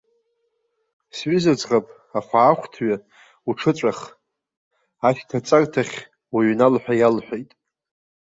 Сҩыза ӡӷаб, ахәаахәҭҩы, уҽыҵәах, ашьҭаҵарҭахь уҩнал хәа иалҳәеит.